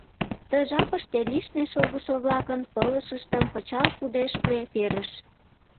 Ты жапыште лишне шогышо-влакын пылышыштым пычал пудештме перыш.